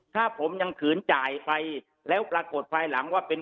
ถ้าผมยังขืนจ่ายไปแล้วปรากฏภายหลังว่าเป็น